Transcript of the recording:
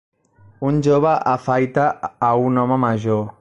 Un jove afaita a un home major